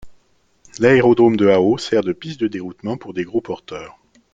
L'aérodrome de Hao sert de piste de déroutement pour des gros porteurs.